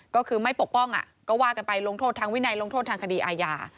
ก็คือไม่ปกป้องก็ว่ากันไปลงโทษทางวินัยลงโทษทางคดีอาญา